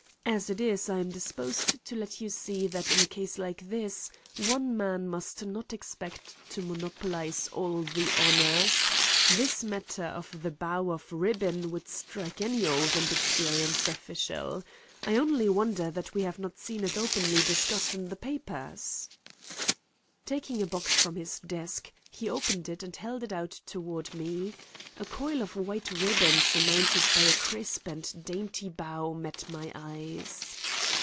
As it is, I am disposed to let you see that in a case like this, one man must not expect to monopolize all the honors. This matter of the bow of ribbon would strike any old and experienced official. I only wonder that we have not seen it openly discussed in the papers." Taking a box from his desk, he opened it and held it out toward me. A coil of white ribbon surmounted by a crisp and dainty bow met my eyes.